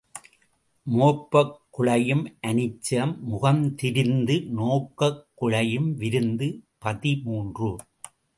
மோப்பக் குழையும் அனிச்சம் முகந்திரிந்து நோக்கக் குழையும் விருந்து பதிமூன்று .